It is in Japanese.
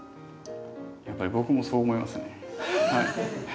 やっぱり僕もそう思いますね。